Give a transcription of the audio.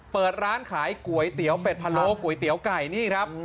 เปิดร้านขายก๋วยเตี๋ยวเพ็ดพาโล้ก๋วยเตี๋ยวไก่